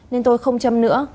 nên tôi không châm nữa